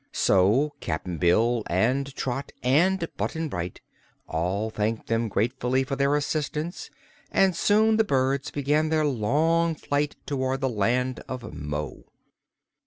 So Cap'n Bill and Trot and Button Bright all thanked them gratefully for their assistance and soon the birds began their long flight toward the Land of Mo.